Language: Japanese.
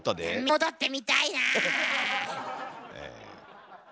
戻って見たいなあ。